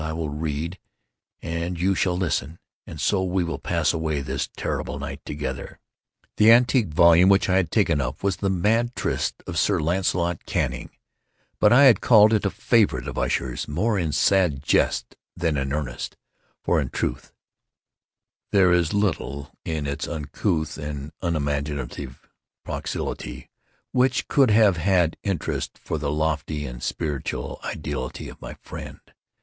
I will read, and you shall listen;—and so we will pass away this terrible night together." The antique volume which I had taken up was the "Mad Trist" of Sir Launcelot Canning; but I had called it a favorite of Usher's more in sad jest than in earnest; for, in truth, there is little in its uncouth and unimaginative prolixity which could have had interest for the lofty and spiritual ideality of my friend.